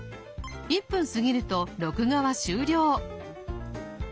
１分過ぎると録画は終了。